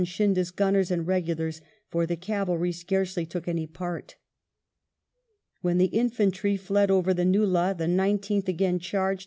Scindia's gunners and regulars, for the cavalry scarcely took any part. When the infantry fled over the nullah, the Nineteenth again charged